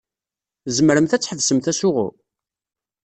Tzemremt ad tḥebsemt asuɣu?